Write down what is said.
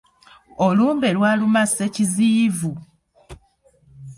Olumbe lwaluma Ssekiziyivu!